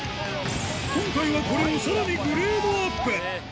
今回はこれをさらにグレードアップ。